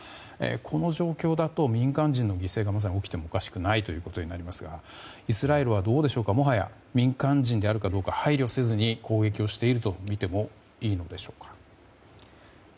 この状況だと民間人の犠牲がまさに起きてもおかしくありませんがイスラエルはもはや民間人であるかどうか配慮せずに攻撃をしているとみていいんでしょうか。